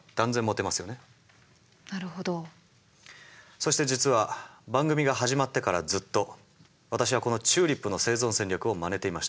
そして実は番組が始まってからずっと私はこのチューリップの生存戦略をまねていました。